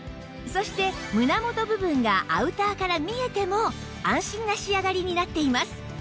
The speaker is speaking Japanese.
そして胸元部分がアウターから見えても安心な仕上がりになっています